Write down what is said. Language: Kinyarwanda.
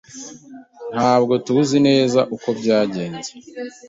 Ntabwo tuzi neza uko byagenze.